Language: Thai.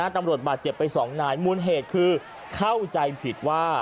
ตำรวจบาดเจ็บไป๒นายมูลเหตุคือเข้าใจผิดว่า